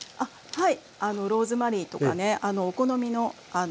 はい。